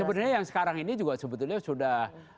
sebenarnya yang sekarang ini juga sebetulnya sudah